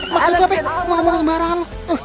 gaser om lebay